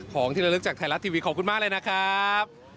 ของที่ระลึกจากไทยรัฐทีวีขอบคุณมากเลยนะครับ